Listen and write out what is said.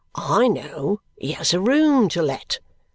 I know he has a room to let.